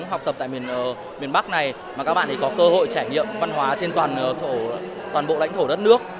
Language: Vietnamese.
học tập tại miền bắc này mà các bạn có cơ hội trải nghiệm văn hóa trên toàn bộ lãnh thổ đất nước